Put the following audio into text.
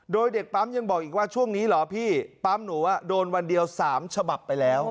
โดยเด็กปั๊มยังบอกอีกว่าช่วงนี้เหรอพี่ปั๊มหนูโดนวันเดียว๓ฉบับไปแล้ว